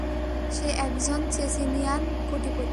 সে একজন চেচিনিয়ান কোটিপতি।